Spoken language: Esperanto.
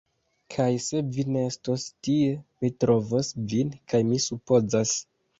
Kaj se vi ne estos tie, mi trovos vin kaj mi supozas